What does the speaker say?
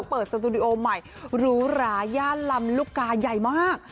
สตูดิโอใหม่หรูหราย่านลำลูกกาใหญ่มาก